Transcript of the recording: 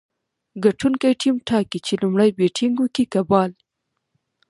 ګټونکی ټیم ټاکي، چي لومړی بېټينګ وکي که بال.